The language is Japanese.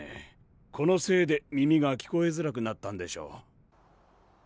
このせいで耳が聞こえづらくなったんでしょう。